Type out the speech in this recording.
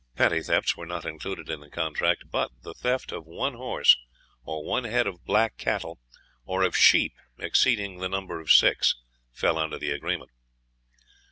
Petty thefts were not included in the contract; but the theft of one horse, or one head of black cattle, or of sheep exceeding the number of six, fell under the agreement.